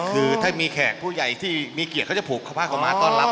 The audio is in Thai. คือถ้ามีแขกผู้ใหญ่ที่มีเกียรติเขาจะผูกผ้าขาวม้าต้อนรับ